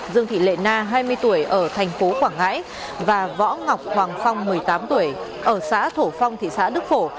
dương thị lệ na hai mươi tuổi ở thành phố quảng ngãi và võ ngọc hoàng phong một mươi tám tuổi ở xã thổ phong thị xã đức phổ